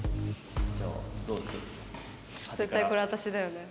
絶対これ私だよね。